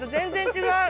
違う？